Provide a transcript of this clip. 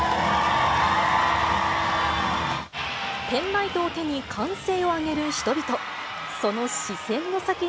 ペンライトを手に、歓声を上げる人々。